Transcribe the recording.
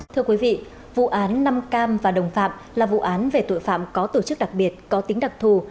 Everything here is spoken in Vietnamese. thưa quý vị vụ án năm cam và đồng phạm là vụ án về tội phạm có tổ chức đặc biệt có tính đặc thù